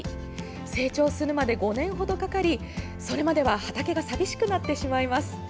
成長するまで５年程かかりそれまでは畑が寂しくなってしまいます。